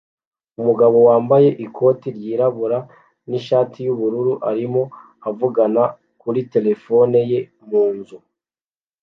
Umugabo wambaye ikote ryirabura nishati yubururu arimo avugana kuri terefone ye mu nzu